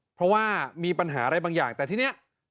เพราะว่ามีปัญหาอะไรบางอย่างแต่ทีนี้